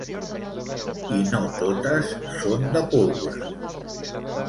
I no totes són de pólvora.